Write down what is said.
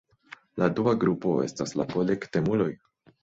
La dua grupo estas la kolektemuloj.